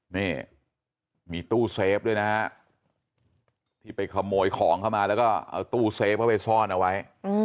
นี่มีตู้เซฟด้วยนะฮะที่ไปขโมยของเข้ามาแล้วก็เอาตู้เซฟเข้าไปซ่อนเอาไว้